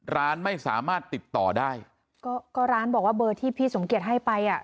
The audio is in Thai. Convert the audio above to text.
ร้านไม่สามารถติดต่อได้ก็ก็ร้านบอกว่าเบอร์ที่พี่สมเกียจให้ไปอ่ะ